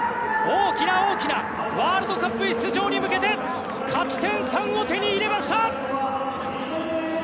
大きな大きなワールドカップ出場に向けて勝ち点３を手に入れました！